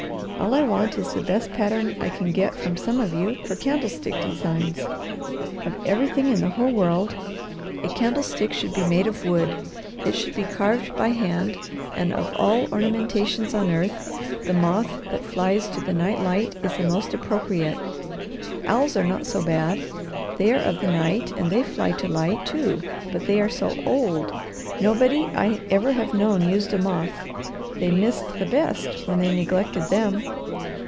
All I want is the best pattern I can get from some of you for candlestick designs. Of everything in the whole world a candlestick should be made of wood. It should be carved by hand, and of all ornamentations on earth the moth that flies to the night light is the most appropriate. Owls are not so bad. They are of the night, and they fly to light, too, but they are so old. Nobody I ever have known used a moth. They missed the best when they neglected them.